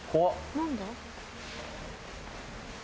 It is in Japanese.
何だ？